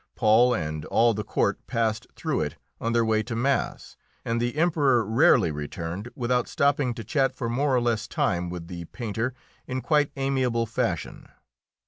Paul and all the court passed through it on their way to mass, and the Emperor rarely returned without stopping to chat for more or less time with the painter in quite amiable fashion.